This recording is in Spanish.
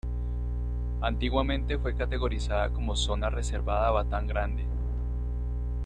Antiguamente fue categorizada como Zona Reservada Batán Grande.